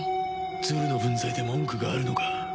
ツルの分際で文句があるのか？